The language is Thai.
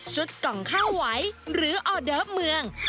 กล่องข้าวไหวหรือออเดิฟเมือง